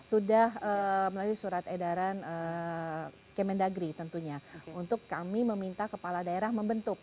sudah melalui surat edaran kemendagri tentunya untuk kami meminta kepala daerah membentuk